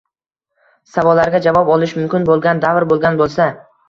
– savollarga javob olish mumkin bo‘lgan davr bo‘lgan bo‘lsa